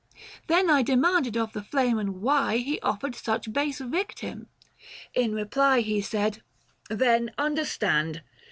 Then I demanded of the Flamen, why He offered such base victim ? In reply 1090 He said, " Then, understand